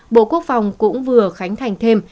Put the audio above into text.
bộ quốc phòng cũng vừa khánh thành thêm